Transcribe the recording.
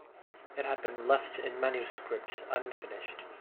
It had been left in manuscript, unfinished.